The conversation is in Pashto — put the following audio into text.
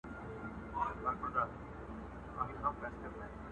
د سباوون ترانې وپاڅوم!!